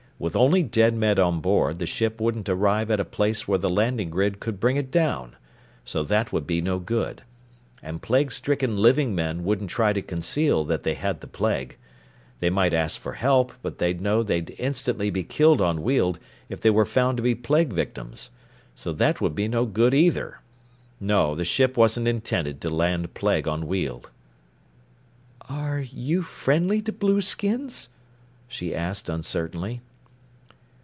"With only dead men on board, the ship wouldn't arrive at a place where the landing grid could bring it down. So that would be no good. And plague stricken living men wouldn't try to conceal that they had the plague. They might ask for help, but they'd know they'd instantly be killed on Weald if they were found to be plague victims. So that would be no good, either! No, the ship wasn't intended to land plague on Weald." "Are you friendly to blueskins?" she asked uncertainly.